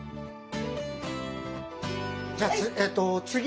じゃあえっとつぎ！